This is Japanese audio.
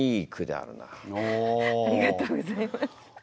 ありがとうございます。